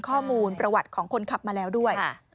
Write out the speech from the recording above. ข้อมูลประวัติของคนขับมาแล้วด้วย